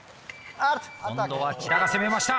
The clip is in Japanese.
今度は千田が攻めました！